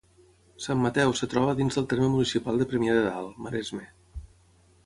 Sant Mateu es troba dins del terme municipal de Premià de Dalt, Maresme.